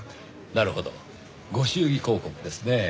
なるほどご祝儀広告ですねぇ。